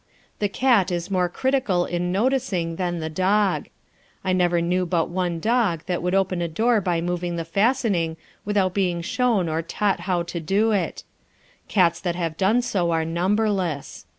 The cat is more critical in noticing than the dog. I never knew but one dog that would open a door by moving the fastening without being shown or taught how to do it. Cats that have done so are numberless.